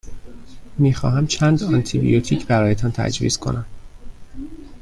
می خواهمم چند آنتی بیوتیک برایتان تجویز کنم.